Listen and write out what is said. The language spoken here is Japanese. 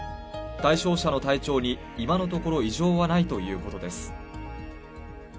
対象者の体調に今のところ異常はないということです。